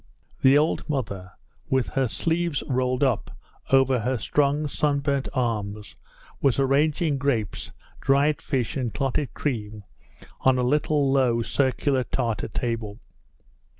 The old mother, with her sleeves rolled up over her strong sunburnt arms, was arranging grapes, dried fish, and clotted cream on a little low, circular Tartar table.